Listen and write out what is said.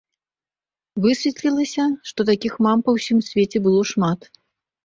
Высветлілася, што такіх мам па ўсім свеце было шмат.